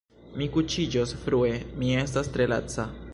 Mi kuŝiĝos frue, mi estas tre laca.